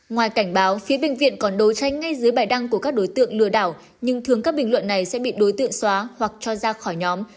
ngoài cảnh báo phía bệnh viện còn đối tranh ngay dưới bài đăng của các đối tượng lừa đảo nhưng thường các bình luận này sẽ bị đối tượng xóa hoặc cho ra khỏi nhóm